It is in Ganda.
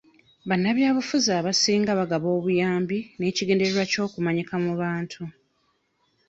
Bannabyabufuzi abasinga bagaba obuyambi n'ekigendererwa ky'okumanyika mu bantu.